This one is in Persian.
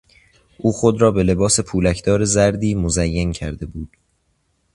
او خود را به لباس پولکدار زردی مزین کرده بود.